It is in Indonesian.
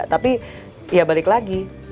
tapi ya balik lagi